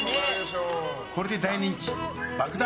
これで大人気爆弾